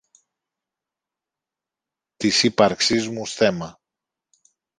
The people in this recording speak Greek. της ύπαρξής μου στέμμα